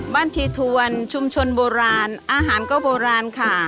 ทีทวนชุมชนโบราณอาหารก็โบราณค่ะ